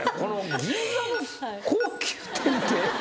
銀座の高級店って。